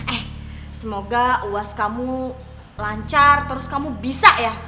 eh semoga uas kamu lancar terus kamu bisa ya